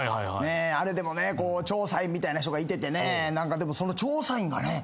あれでもね調査員みたいな人がいててねでもその調査員がね